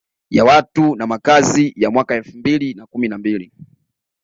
Ya watu na makazi ya mwaka elfu mbili na kumi na mbili